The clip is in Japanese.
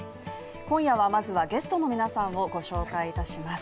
今夜はまずはゲストの皆さんをご紹介いたします。